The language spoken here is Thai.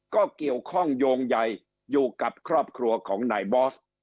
ก็เกี่ยวข้องโยงใยอยู่กับครอบครัวของนายบอส